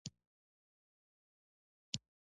اوس نغدو پیسو ته اړتیا لرم.